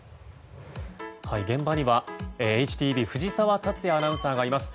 現場にはＨＴＢ藤澤達弥アナウンサーがいます。